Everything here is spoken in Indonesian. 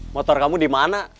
motor kamu dimana